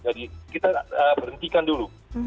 jadi kita berhentikan dulu